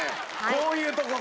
こういうとこ！